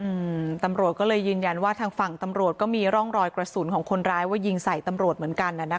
อืมตำรวจก็เลยยืนยันว่าทางฝั่งตำรวจก็มีร่องรอยกระสุนของคนร้ายว่ายิงใส่ตำรวจเหมือนกันน่ะนะคะ